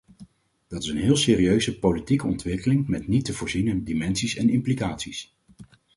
Dit is een heel serieuze politieke ontwikkeling met niet te voorziene dimensies en implicaties.